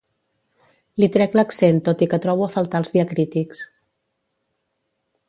li trec l'accent tot i que trobo a faltar els diacrítics